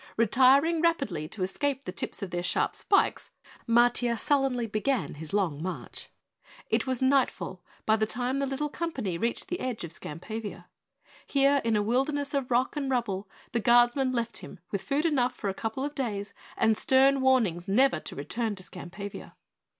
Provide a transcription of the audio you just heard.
Retiring rapidly to escape the tips of their sharp spikes, Matiah sullenly began his long march. It was nightfall by the time the little company reached the edge of Skampavia. Here, in a wilderness of rock and rubble, the guardsmen left him with food enough for a couple of days and stern warnings never to return to Skampavia.